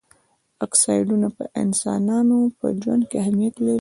اکسایډونه په انسانانو په ژوند کې اهمیت لري.